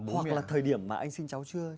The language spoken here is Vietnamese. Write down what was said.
hoặc là thời điểm mà anh sinh cháu chưa